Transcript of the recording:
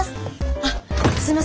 あっすいません